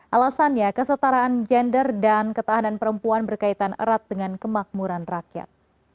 alasannya kesetaraan gender dan ketahanan perempuan berkaitan erat dengan kemakmuran rakyat